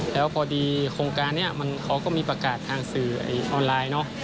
แล้วพอดีโครงการนี้เขาก็มีประกาศทางสื่อออนไลน์เนอะ